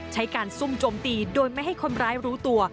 ใช้การซุ่มโจมตีโดยไม่ให้คนร้ายรู้ตัว